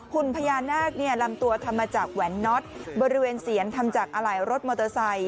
หุ่นพญานาคลำตัวทำมาจากแหวนน็อตบริเวณเสียนทำจากอะไหล่รถมอเตอร์ไซค